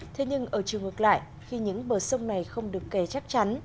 thế nhưng ở trường ngược lại khi những bờ sông này không được kề chắc chắn